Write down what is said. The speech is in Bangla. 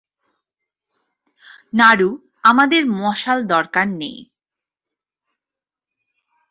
নারু, আমাদের মশাল দরকার নেই।